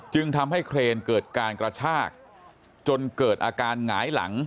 จึงทำให้เครนเกิดการกระชากจนเกิดอาการหงายหลัง